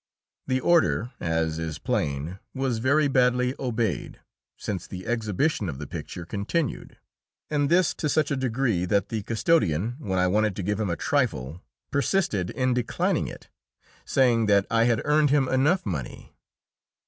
The order, as is plain, was very badly obeyed, since the exhibition of the picture continued, and this to such a degree that the custodian, when I wanted to give him a trifle, persisted in declining it, saying that I had earned him enough money.